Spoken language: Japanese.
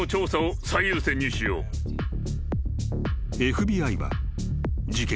［ＦＢＩは事件